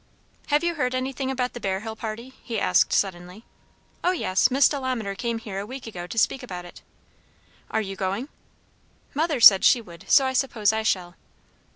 "Have you heard anything about the Bear Hill party?" he asked suddenly. "O yes; Miss Delamater came here a week ago to speak about it." "Are you going?" "Mother said she would. So I suppose I shall."